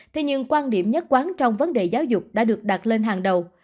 thì những quan điểm nhất quán trong vấn đề giáo dục đã được đặt lên hàng đầu